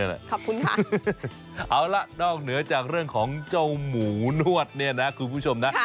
เอาล่ะนอกเหนือจากเรื่องของเจ้าหมูนวดเนี่ยนะคุณผู้ชมนะ